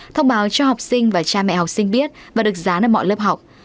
thông báo cho học sinh và cha mẹ học sinh biết và được dán ở mọi lớp học